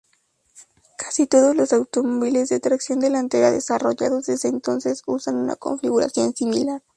Casi todos los automóviles de tracción delantera desarrollados desde entonces usan una configuración similar.